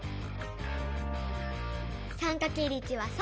３×１は３。